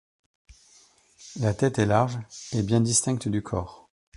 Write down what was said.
La tête est large et bien distincte du corps.